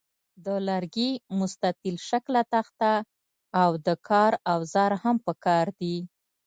د لرګي مستطیل شکله تخته او د کار اوزار هم پکار دي.